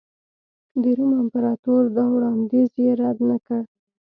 د روم امپراتور دا وړاندیز یې رد نه کړ